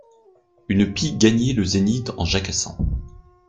Une pie gagnait le zénith en jacassant.